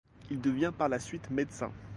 Il devient par la suite médecin.